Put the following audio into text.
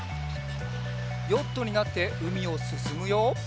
ヨットになってうみをすすむよ。